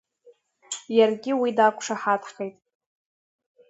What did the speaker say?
Иаргьы уи дақәшаҳаҭхеит.